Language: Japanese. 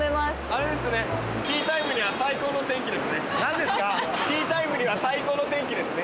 あれですね、ティータイムには最高の天気ですね。